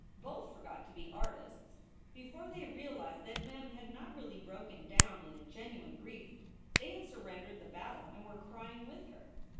Both forgot to be artists. Before they realized that Mem had not really broken down in a genuine grief they had surrendered the battle and were crying with her.